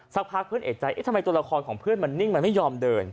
สักพักเพื่อนเอกใจเอ๊ะทำไมตัวละครของเพื่อนมันนิ่งมันไม่ยอมเดิน